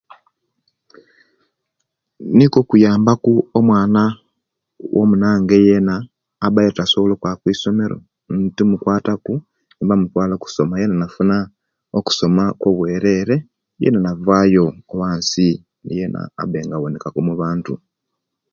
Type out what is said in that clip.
Niko okuyamba ku omwana owomunange yena abaire tasobola okwaba kwisomero, netumukwataaku nebumutwala okwisomero yena nafuna okusoma kwobwerere, yena navayo owansi yena naba nga abonekaku omu'bantu.